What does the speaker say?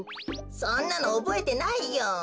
そんなのおぼえてないよ。